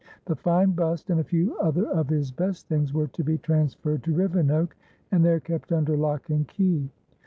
The fine bust, and a few other of his best things, were to be transferred to Rivenoak, and there kept under lock and key.